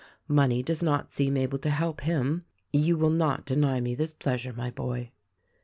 Money docs not seem able to help him. Yon will not deny me this pleasure, my boy.